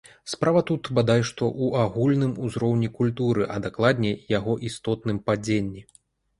Справа тут, бадай што, у агульным узроўні культуры, а дакладней яго істотным падзенні.